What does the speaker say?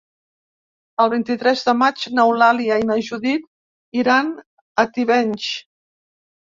El vint-i-tres de maig n'Eulàlia i na Judit iran a Tivenys.